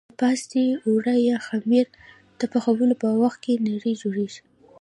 د پاستي اوړه یا خمېره د پخولو په وخت کې نرۍ جوړېږي.